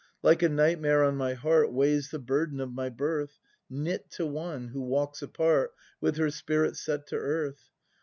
Like a nightmare on my heart Weighs the burden of my birth. Knit to one, who walks apart With her spirit set to earth.